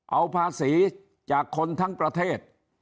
เอาภาษีจากคนทั้งประเทศ